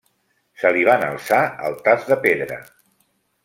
Se li van alçar altars de pedra.